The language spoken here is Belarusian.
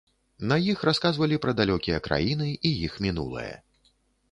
На іх расказвалі пра далёкія краіны і іх мінулае.